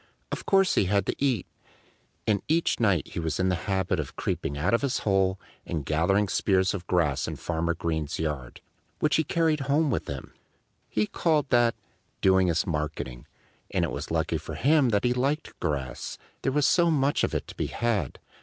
Of course he had to eat. And each night he was in the habit of creeping out of his hole and gathering spears of grass in Farmer Green's yard, which he carried home with him. He called that "doing his marketing." And it was lucky for him that he liked grass, there was so much of it to be had.